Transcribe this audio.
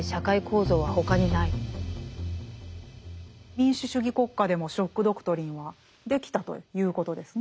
民主主義国家でも「ショック・ドクトリン」はできたということですね。